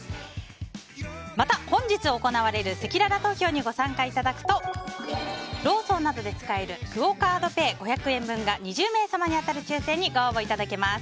また、本日行われるせきらら投票にご参加いただくとローソンなどで使えるクオ・カードペイ５００円分が２０名様に当たる抽選にご応募いただけます。